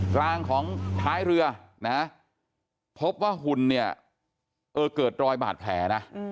กลางของท้ายเรือนะพบว่าหุ่นเนี่ยเออเกิดรอยบาดแผลนะ